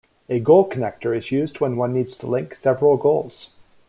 A goal connector is used when one need to link several goals.